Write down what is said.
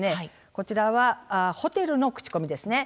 こちらはホテルの口コミですね。